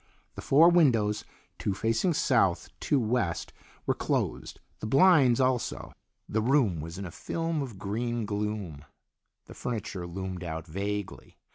The four windows, two facing south, two west, were closed, the blinds also. The room was in a film of green gloom. The furniture loomed out vaguely.